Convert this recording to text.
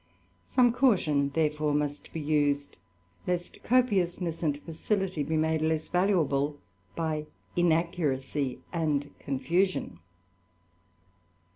Some caution, therefore, must be used lest copiousn and facility be made less valuable by inaccuracy and o fusion.